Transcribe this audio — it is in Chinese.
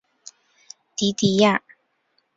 蒂蒂雅。